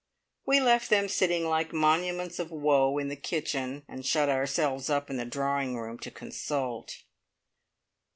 We left them sitting like monuments of woe in the kitchen, and shut ourselves up in the drawing room to consult.